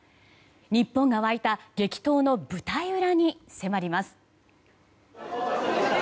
日本が沸いた激闘の舞台裏に迫ります。